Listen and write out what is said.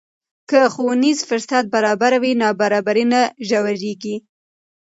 که ښوونیز فرصت برابر وي، نابرابري نه ژورېږي.